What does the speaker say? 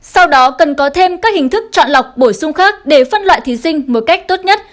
sau đó cần có thêm các hình thức chọn lọc bổ sung khác để phân loại thí sinh một cách tốt nhất